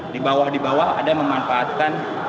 di bawah di bawah ada memanfaatkan